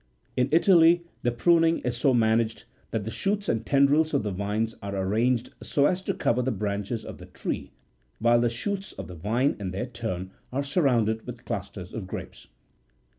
In Italy the pruning is so managed that the shoots and tendrils of the vines are arranged so as to cover the branches of the tree, while the shoots of the vine in their turn are surrounded with clusters of grapes.